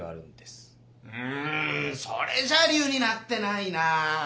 んそれじゃ理由になってないな。